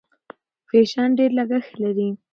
فیشن ډېر لګښت لري.